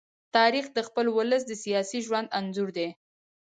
تاریخ د خپل ولس د سیاسي ژوند انځور دی.